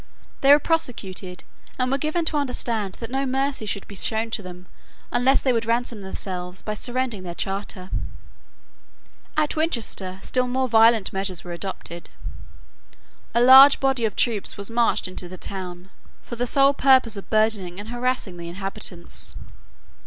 They were prosecuted, and were given to understand that no mercy should be shown to them unless they would ransom themselves by surrendering their charter. At Winchester still more violent measures were adopted. A large body of troops was marched into the town for the sole purpose of burdening and harassing the inhabitants.